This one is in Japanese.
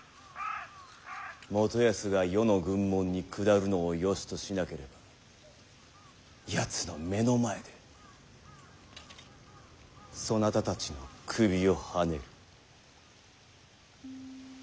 元康が余の軍門に下るのをよしとしなければやつの目の前でそなたたちの首をはねる。